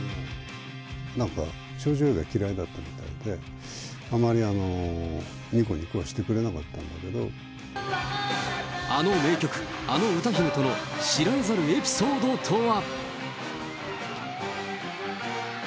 なんか少女Ａが嫌いだったみたいで、あまりにこにこしてくれあの名曲、あの歌姫との知られざるエピソードとは。